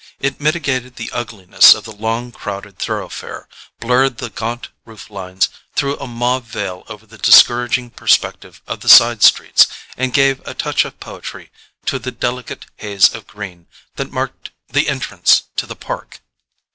It mitigated the ugliness of the long crowded thoroughfare, blurred the gaunt roof lines, threw a mauve veil over the discouraging perspective of the side streets, and gave a touch of poetry to the delicate haze of green that marked the entrance to the Park.